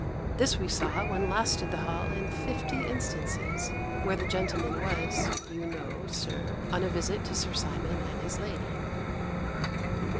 This we saw, when last at the Hall, in fifty instances, where the gentleman was, you know, Sir, on a visit to Sir Simon and his lady.